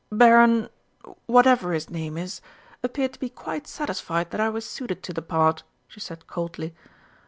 "Baron whatever his name is, appeared to be quite satisfied that I was suited to the part," she said coldly.